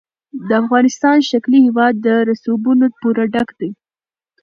د افغانستان ښکلی هېواد له رسوبونو پوره ډک دی.